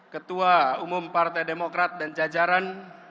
ketua umum partai demokrat dan jajaran